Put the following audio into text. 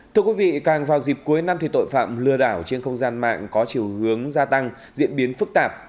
thưa quý vị càng vào dịp cuối năm thì tội phạm lừa đảo trên không gian mạng có chiều hướng gia tăng diễn biến phức tạp